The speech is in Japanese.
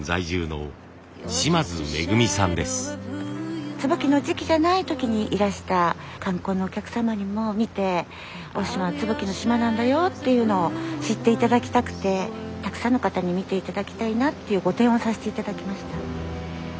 椿の時期じゃない時にいらした観光のお客様にも見て大島は椿の島なんだよっていうのを知って頂きたくてたくさんの方に見て頂きたいなっていうご提案をさせて頂きました。